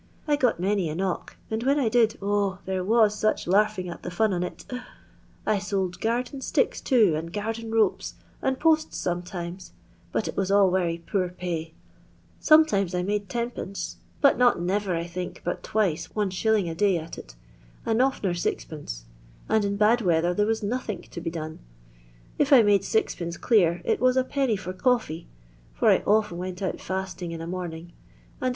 I got many a knock, and when I did, oh 1 there vat such larfing at the fun on it I sold garden sticks too, and garden ropes, and posts sometimes ; but it was all wery poor pay. Sometimes I made lOii., 250 LOXDON LABOUR AND TEE LONDON POOR. but not nerer I think but twice 1#. a day at it, and oftener 6</., and in bad weather there was nothink to be done. If I made M. clear, it waa let. for cawfee — for I often went oat fasting in a morning •^and Id.